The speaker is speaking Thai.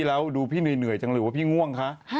แล้วดูพี่เหนื่อยจังหรือว่าพี่ง่วงคะ